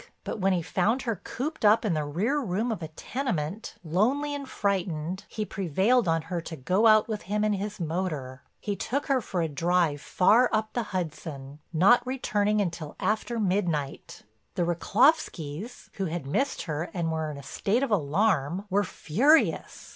But when he found her cooped up in the rear room of a tenement, lonely and frightened, he prevailed on her to go out with him in his motor. He took her for a drive far up the Hudson, not returning until after midnight. The Rychlovskys, who had missed her and were in a state of alarm, were furious.